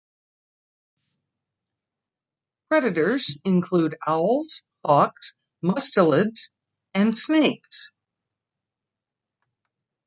Predators include owls, hawks, mustelids, and snakes.